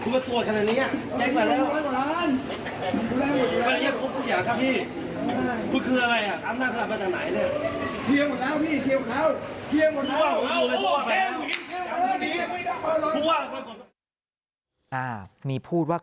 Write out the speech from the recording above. มีพูดว่าเคลียร์หมดแล้วนะครับ